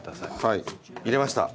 はい入れました。